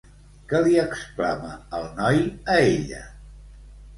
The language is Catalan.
Què li exclama el noi a ella?